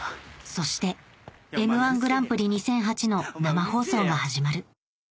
そして『Ｍ−１グランプリ』２００８の生放送が始まるお前うるせぇよ！